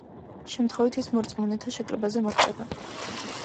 შემთხვევით ის მორწმუნეთა შეკრებაზე მოხვდება.